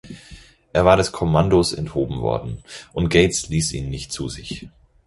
Er war des Kommandos enthoben worden, und Gates ließ ihn nicht zu sich.